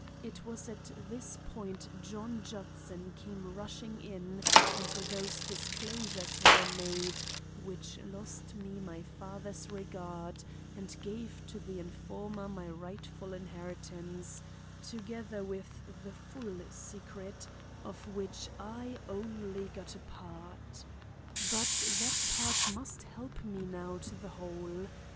it was at this point John Judson came rushing in and those disclosures were made which lost me my father's regard and gave to the informer my rightful inheritance, together with the full secret of which I only got a part. But that part must help me now to the whole.